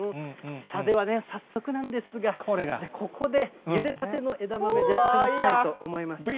では、早速なんですが、ここで、ゆでたての枝豆、頂きたいと思います。